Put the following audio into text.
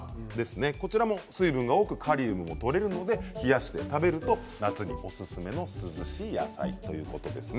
こちらも水分が多くカリウムをとれるので冷やして食べると夏におすすめの涼しい野菜ということです。